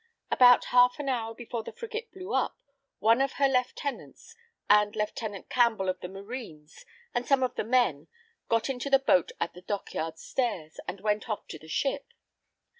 About half an hour before the frigate blew up, one of her lieutenants, and Lieutenant Campbell of the marines and some of the men got into the boat at the dock yard stairs, and went off to the ship.